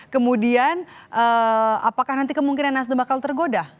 kemudian apakah nanti kemungkinan nasdem bakal tergoda